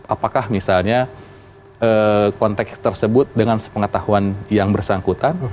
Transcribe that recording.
apakah misalnya konteks tersebut dengan sepengetahuan yang bersangkutan